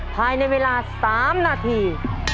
ภายในเวลา๓นาที